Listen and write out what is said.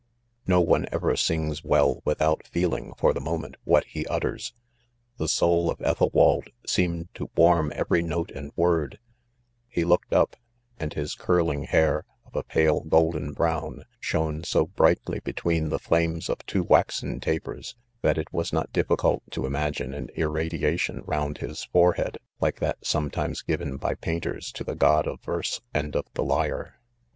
'* Ko one ever sings Well without feeling', for the moment, what he utters. The : soul of Etk elwald seemed to warm every note and word f he looked^, up ; and his curling hair, of a pale 5 golden brown) shone t so brightly between the lames of two waxen tapers, that it was not dif ficult to ■ imagine an irradiation round his forehead, like that sometimes given by point ers to the 'god of verse and 'of the lyre.